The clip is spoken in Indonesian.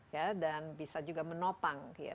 ya dan bisa juga menopang ya